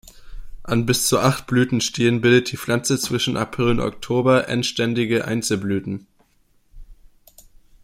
An bis zu acht Blütenstielen bildet die Pflanze zwischen April und Oktober endständige Einzelblüten.